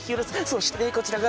そしてこちらが。